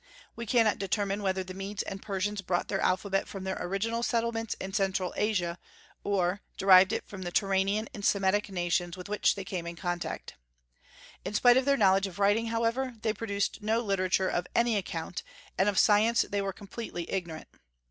We cannot determine whether the Medes and Persians brought their alphabet from their original settlements in Central Asia, or derived it from the Turanian and Semitic nations with which they came in contact. In spite of their knowledge of writing, however, they produced no literature of any account, and of science they were completely ignorant.